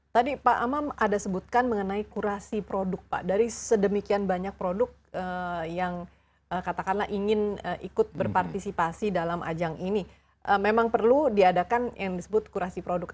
tadi pak amam ada sebutkan mengenai kurasi produk pak dari sedemikian banyak produk yang katakanlah ingin ikut berpartisipasi dalam ajang ini memang perlu diadakan yang disebut kurasi produk